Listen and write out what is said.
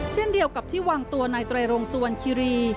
เช่นเดียวกับที่วางตัวนายไตรรงสุวรรณคิรี